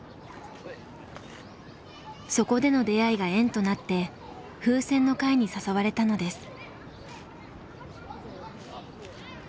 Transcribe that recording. そこでの出会いが縁となってふうせんの会に誘われたのです。